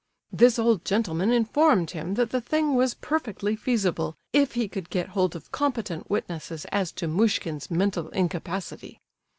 This old gentleman informed him that the thing was perfectly feasible if he could get hold of competent witnesses as to Muishkin's mental incapacity.